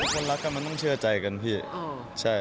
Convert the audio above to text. คนรักกันมันต้องเชื่อใจกันพี่